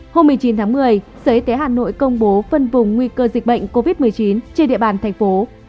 hôm một mươi chín tháng một mươi sở y tế hà nội công bố phân vùng nguy cơ dịch bệnh covid một mươi chín trên địa bàn thành phố